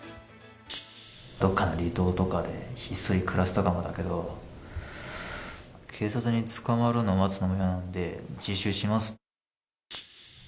どこかの離島とかでひっそり暮らせたかもだけど、警察に捕まるのも待つのも嫌なんで、自首します。